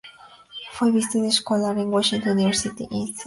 Fue Visiting Scholar en Washington University in St.